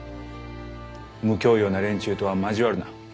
無教養な連中とは交わるな。